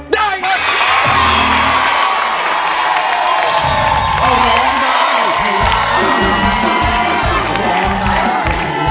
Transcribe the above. ได้เลย